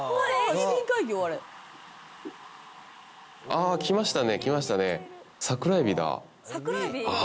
ああ来ましたね来ましたね。